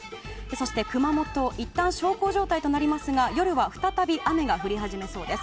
そして熊本、いったん小康状態となりますが夜は再び雨が降り始めそうです。